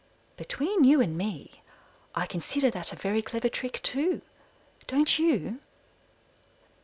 Between you and me, I consider that a very clever trick, too. Don't you?